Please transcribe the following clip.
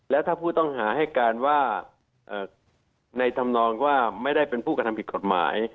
แล้วถ้าผู้ต้องหาให้การว่าในธรรมนองว่าไม่ได้เป็นผู้กระทำผิดกฎหมาย